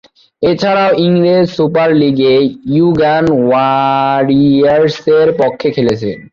এছাড়াও, ইংরেজ সুপার লীগে উইগান ওয়ারিয়র্সের পক্ষে খেলেছেন।